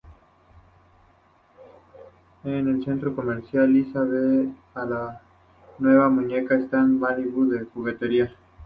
En el centro comercial, Lisa ve la nueva muñeca Stacy Malibu en una juguetería.